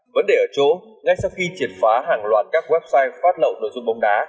vấn đề ở chỗ ngay sau khi triệt phá hàng loạt các website phát lậu nội dung bóng đá